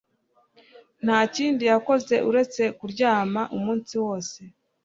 Nta kindi yakoze uretse kuryama umunsi wose